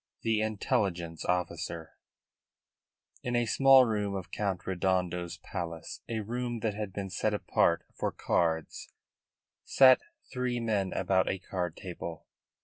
THE INTELLIGENCE OFFICER In a small room of Count Redondo's palace, a room that had been set apart for cards, sat three men about a card table.